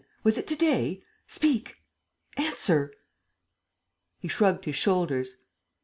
Was it to day? Speak! ... Answer! ..." He shrugged his shoulders.